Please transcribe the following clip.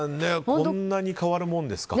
こんなに変わるもんですか。